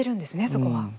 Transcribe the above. そこは。